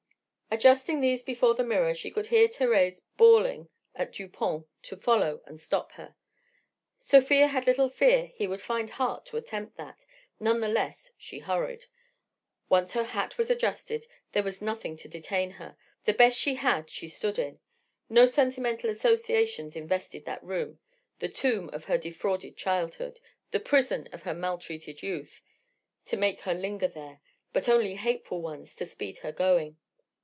Adjusting these before the mirror she could hear Thérèse bawling at Dupont to follow and stop her. Sofia had little fear he would find heart to attempt that, none the less she hurried. Once her hat was adjusted there was nothing to detain her; the best she had she stood in; no sentimental associations invested that room, the tomb of her defrauded childhood, the prison of her maltreated youth, to make her linger there, but only hateful ones to speed her going.